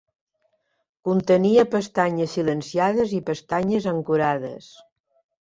Contenia pestanyes silenciades i pestanyes ancorades.